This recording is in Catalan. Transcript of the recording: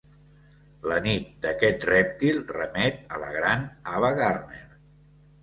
La nit d'aquest rèptil remet a la gran Ava Gardner.